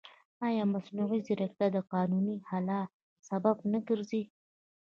ایا مصنوعي ځیرکتیا د قانوني خلا سبب نه ګرځي؟